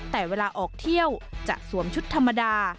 แต่เวลาออกเที่ยวจะสวมชุดธรรมดา